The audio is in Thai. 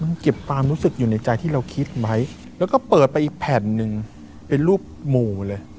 มันเก็บความรู้สึกอยู่ในใจที่เราคิดไว้แล้วก็เปิดไปอีกแผ่นหนึ่งเป็นรูปหมู่เลย